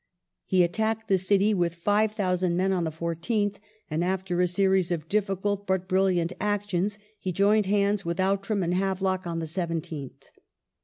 He attacked the city with 5,000 men on the 14th, and after a series of difficult but brilliant actions, he joined hands with Outram and Havelock on the 17th.